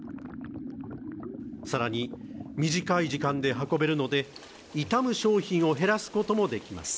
更に短い時間で運べるので、傷む商品を減らすこともできます。